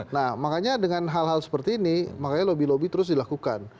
nah makanya dengan hal hal seperti ini makanya lobby lobby terus dilakukan